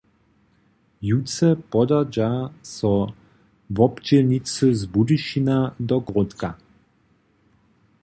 Jutře podadźa so wobdźělnicy z Budyšina do Grodka.